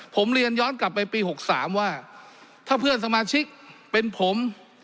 ผมเรียนย้อนกลับไปปี๖๓ว่าถ้าเพื่อนสมาชิกเป็นผม